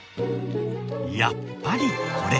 やっぱりこれ。